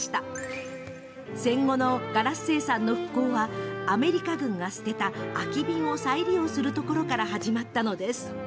戦後のガラス生産の復興はアメリカ軍が捨てた空き瓶を再利用するところから始まったのです。